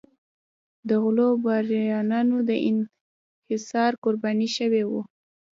د غلو بارونیانو د انحصار قرباني شوي وو.